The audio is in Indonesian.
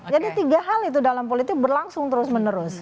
jadi tiga hal itu dalam politik berlangsung terus menerus